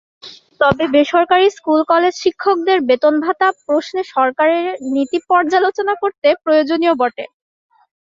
তবে বেসরকারি স্কুল-কলেজশিক্ষকদের বেতন-ভাতা প্রশ্নে সরকারের নীতি পর্যালোচনা করতে প্রয়োজনীয় বটে।